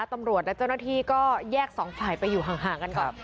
ตำรวจและเจ้าหน้าที่ก็แยกสองฝ่ายไปอยู่ห่างกันก่อน